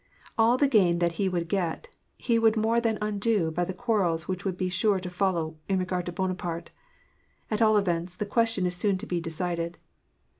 All the gain that he would set, he would more than undo by the quarrels which would be sure to follow in regard to Buonaparte. At all events, the question is soon to be decided.